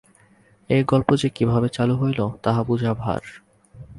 এই গল্প যে কিভাবে চালু হইল, তাহা বুঝা ভার।